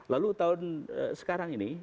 lalu tahun sekarang ini